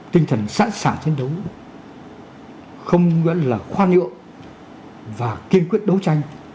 tinh thần sẵn sàng chiến đấu không là khoan nhượng và kiên quyết đấu tranh